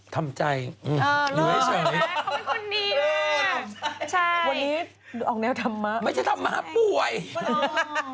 ถ้ายังนึงว่ากดแทนแฟนเสาร์จะทำยังไงคะ